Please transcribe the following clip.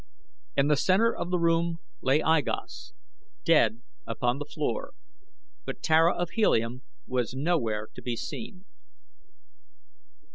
In the center of the room lay I Gos, dead upon the floor; but Tara of Helium was nowhere to be seen.